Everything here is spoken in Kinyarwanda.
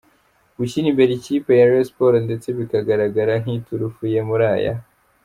gushyira imbere ikipe ya Rayon sport ndetse bikagaragara nkiturufu ye muri aya.